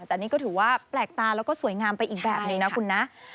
แต่นี่ก็ถือว่าแปลกตาแล้วก็สวยงามไปอีกแบบนึงนะคุณนะ